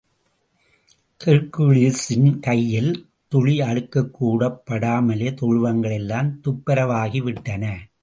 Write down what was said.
ஹெர்க்குலிஸின் கையில் துளி அழுக்குக்கூடப் படாமலே, தொழுவங்கள் எல்லாம் துப்புரவாகி விட்டன.